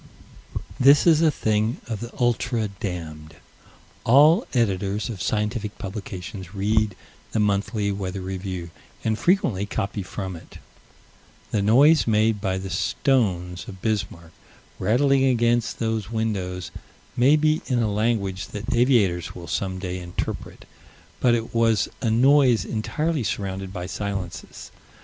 This is a thing of the ultra damned. All Editors of scientific publications read the Monthly Weather Review and frequently copy from it. The noise made by the stones of Bismarck, rattling against those windows, may be in a language that aviators will some day interpret: but it was a noise entirely surrounded by silences.